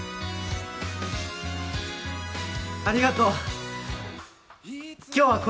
ありがとう。